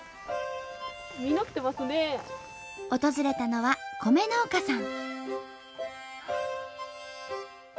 訪れたのは米農家さん。